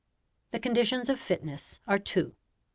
The conditions of fitness are two.